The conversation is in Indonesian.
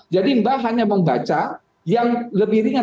jadi mbak hanya membaca yang lebih ringan